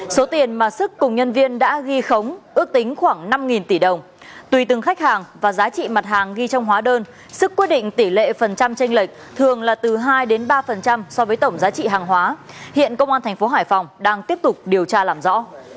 số tiền mà sức cùng nhân viên đã ghi khống ước tính khoảng năm tỷ đồng tùy từng khách hàng và giá trị mặt hàng ghi trong hóa đơn sức quyết định tỷ lệ phần trăm tranh lệch thường là từ hai ba so với tổng giá trị hàng hóa hiện công an thành phố hải phòng đang tiếp tục điều tra làm rõ